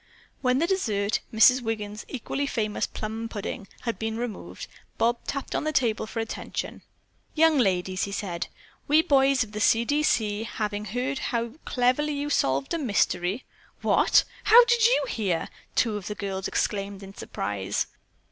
When the dessert, Mrs. Wiggin's equally famous plum pudding, had been removed, Bob tapped on the table for attention. "Young ladies," he said, "we boys of the 'C. D. C.' having heard how cleverly you solved a mystery——" "What? How did you hear?" two of the girls exclaimed in surprise.